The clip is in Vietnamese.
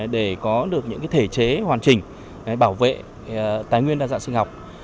để có được những thể chế hoàn chỉnh bảo vệ tài nguyên đa dạng sinh học